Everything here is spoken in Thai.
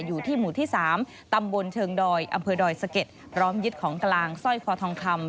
อยู่ที่หมู่ที่๓ตำบลเชิงดอยอำเภอดอยสะเก็ดพร้อมยึดของกลางสร้อยคอทองคำ